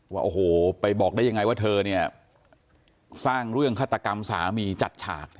ว่าโอ้โหไปบอกได้ยังไงว่าเธอเนี่ยสร้างเรื่องฆาตกรรมสามีจัดฉาก